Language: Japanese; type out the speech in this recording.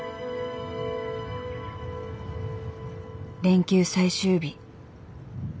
連休最終日。